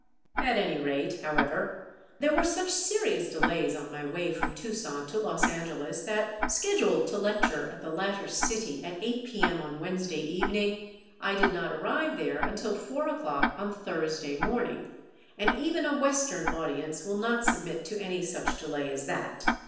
At any rate, however, there were such serious delays on my way from Tucson to Los Angeles that, scheduled to lecture at the latter city at eight P.M. on Wednesday evening, I did not arrive there until four o'clock on Thursday morning, and even a Western audience will not submit to any such delay as that.